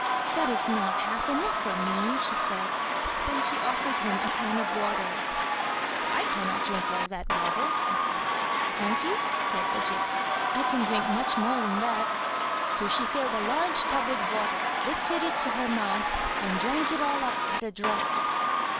"That is not half enough for me," she said. Then she offered him a can of water. "I cannot drink all that water," he said. "Can't you?" said Ajít; "I can drink much more than that." So she filled a large tub with water, lifted it to her mouth, and drank it all up at a draught.